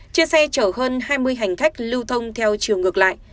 trên xe chở hơn hai mươi hành khách lưu thông theo chiều ngược lại